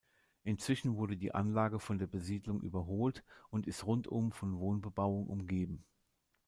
Inzwischen wurde die Anlage von der Besiedelung überholt und ist rundum von Wohnbebauung umgeben.